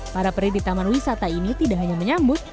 para peri di taman wisata ini tidak hanya menyambut